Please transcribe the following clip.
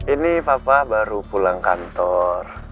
ini papa baru pulang kantor